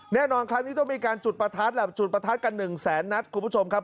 แน่นอนครับนี่ต้องมีการจุดประทัดจุดประทัดกันหนึ่งแสนนัทคุณผู้ชมครับ